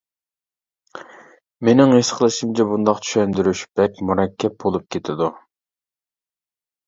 مېنىڭ ھېس قىلىشىمچە بۇنداق چۈشەندۈرۈش بەك مۇرەككەپ بولۇپ كېتىدۇ.